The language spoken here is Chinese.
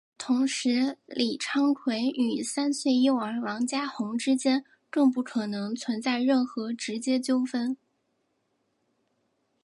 同时李昌奎与三岁幼儿王家红之间更不可能存在任何直接纠纷。